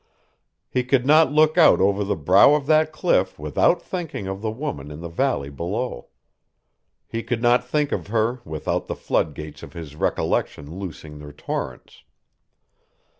He could not look out over the brow of that cliff without thinking of the woman in the valley below. He could not think of her without the floodgates of his recollection loosing their torrents.